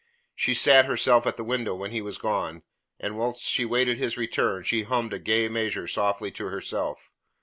She sat herself at the window when he was gone, and whilst she awaited his return, she hummed a gay measure softly to herself.